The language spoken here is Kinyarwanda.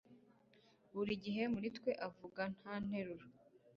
Buri gihe muri twe avuga nta nteruro